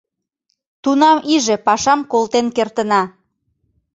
Тунам иже пашам колтен кертына.